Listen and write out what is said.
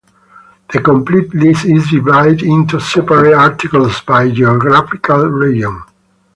The complete list is divided into separate articles by geographical region.